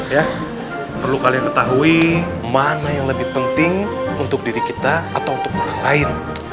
ya perlu kalian ketahui mana yang lebih penting untuk diri kita atau untuk orang lain